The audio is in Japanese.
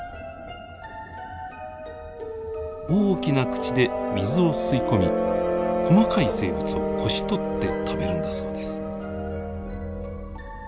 大きな口で水を吸い込み細かい生物をこし取って食べるんだそうです。